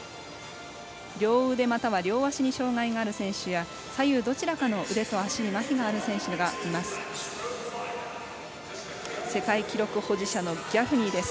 両腕または両足に障がいがある選手や左右どちらかの腕や足にまひがある選手がいます。